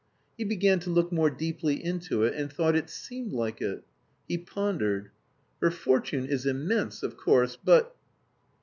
He began to look more deeply into it, and thought it seemed like it. He pondered: "Her fortune is immense, of course, but..."